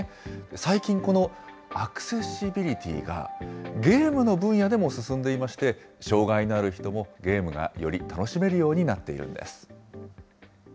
最近、このアクセシビリティがゲームの分野でも進んでいまして、障害のある人もゲームがより楽しめるようになっているんです。